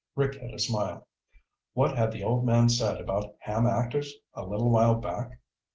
Rick hid a smile. What had the old man said about ham actors a little while back?